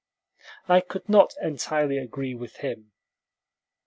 I could not entirely agree with him.